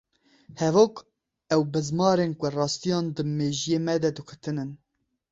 Hevok, ew bizmarên ku rastiyan di mejiyê me de dikutin in.